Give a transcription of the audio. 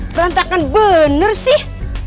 perantakan bener sih